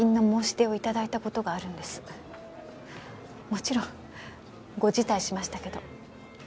もちろんご辞退しましたけど。